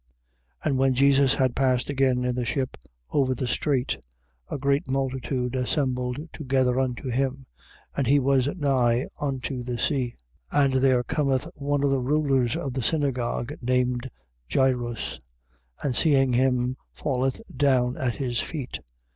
5:21. And when Jesus had passed again in the ship over the strait, a great multitude assembled together unto him, and he was nigh unto the sea. 5:22. And there cometh one of the rulers of the synagogue named Jairus: and seeing him, falleth down at his feet.